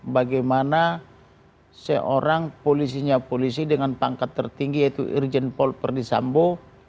bagaimana seorang polisinya polisi dengan pangkat tertinggi yaitu irjen paul perdisambo